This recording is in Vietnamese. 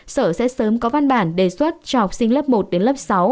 sở sẽ sớm có văn bản đề xuất cho học sinh lớp một đến lớp sáu